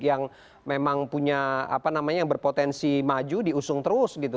yang memang punya apa namanya yang berpotensi maju diusung terus gitu